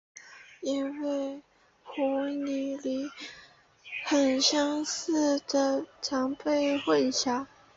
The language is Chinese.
因为与湖拟鲤很相似而常被混淆。